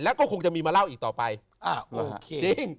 แล้วก็คงจะมีมาเล่าอีกต่อไปอ่าโอเคจริง